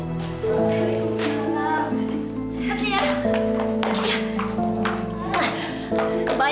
hanya mohon hati dan harapan terus ya enam